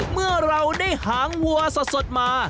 เมื่อเราได้หางวัวสดมา